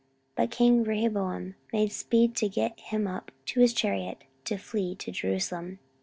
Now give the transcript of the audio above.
But king Rehoboam made speed to get him up to his chariot, to flee to Jerusalem.